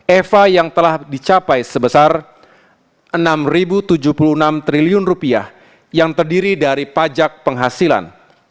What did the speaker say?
eva yang telah dicapai sebesar rp enam tujuh puluh enam triliun yang terdiri dari pajak penghasilan